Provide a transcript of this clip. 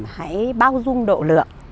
hãy bao dung độ lượng